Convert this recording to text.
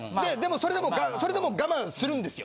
でもそれでも我慢するんですよ。